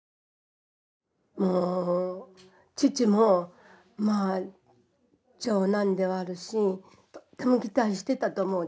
父もまあ長男ではあるしとっても期待してたと思うんです。